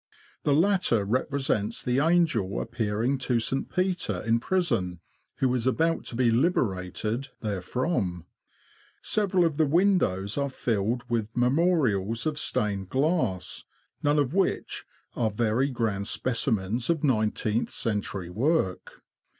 The latter represents the angel appearing to St. Peter in prison, who is about to be liberated therefrom. Several of the windows are filled with memorials of stained glass, none of which are very grand speci mens of nineteenth century work.